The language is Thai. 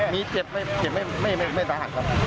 มีเจ็บไม่สาหัสครับ